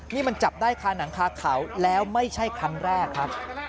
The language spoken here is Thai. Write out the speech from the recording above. นี่มันจับได้คาหนังคาเขาแล้วไม่ใช่ครั้งแรกครับ